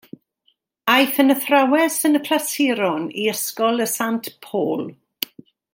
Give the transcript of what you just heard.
Aeth yn athrawes yn y clasuron i Ysgol y Sant Paul.